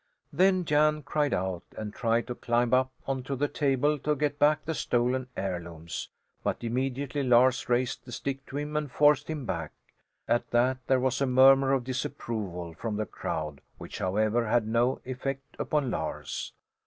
Then Jan cried out and tried to climb up onto the table to get back the stolen heirlooms, but immediately Lars raised the stick to him and forced him back. At that there was a murmur of disapproval from the crowd, which, however, had no effect upon Lars.